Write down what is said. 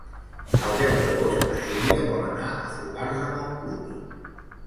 El deu d'agost na Júlia vol anar a Fogars de Montclús.